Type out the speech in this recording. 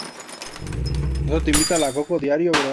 La idolatría debe ser destruida.